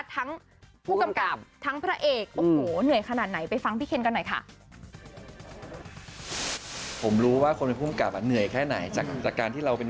ทั้งผู้กำกับทั้งพระเอกโอ้โหเหนื่อยขนาดไหนไปฟังพี่เคนกันหน่อยค่ะ